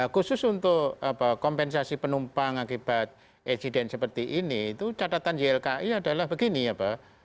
khusus untuk kompensasi penumpang akibat insiden seperti ini itu catatan ylki adalah begini ya pak